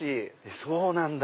そうなんだ